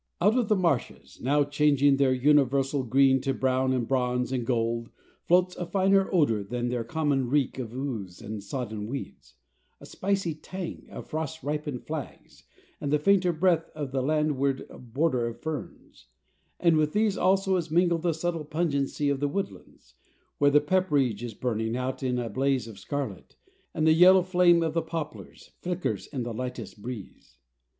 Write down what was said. Out of the marshes, now changing their universal green to brown and bronze and gold, floats a finer odor than their common reek of ooze and sodden weeds a spicy tang of frost ripened flags and the fainter breath of the landward border of ferns; and with these also is mingled the subtle pungency of the woodlands, where the pepperidge is burning out in a blaze of scarlet, and the yellow flame of the poplars flickers in the lightest breeze.